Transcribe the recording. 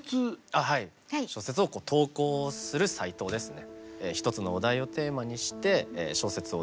はい小説を投稿するサイトですね。